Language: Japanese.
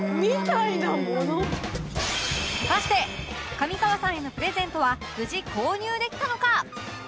果たして上川さんへのプレゼントは無事購入できたのか？